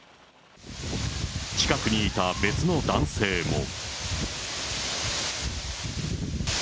近くにいた別の男性も。